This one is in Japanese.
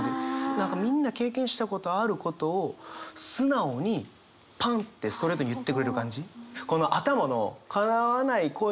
何かみんな経験したことあることを素直にパンってストレートに言ってくれる感じ。